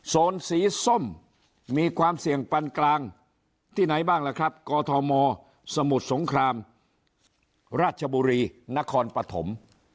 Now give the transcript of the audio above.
สีส้มมีความเสี่ยงปันกลางที่ไหนบ้างล่ะครับกอทมสมุทรสงครามราชบุรีนครปฐม